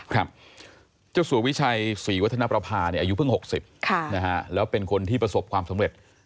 ครับเจ้าสัววิชัยศรีวัฒนประภาอายุเพิ่ง๖๐แล้วเป็นคนที่ประสบความสำเร็จ